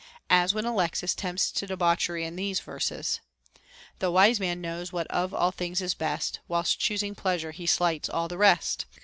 As, when Alexis tempts to debauchery in these verses, The wise man knows what of all things is best, Whilst choosing: pleasure he slights all the rest.